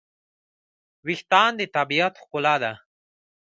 وېښتيان د طبیعت ښکلا ده.